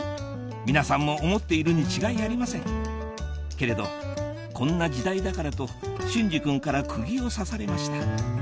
皆さんも思っているに違いありませんけれど「こんな時代だから」と隼司君からクギを刺されました